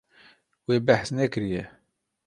Wê behs nekiriye.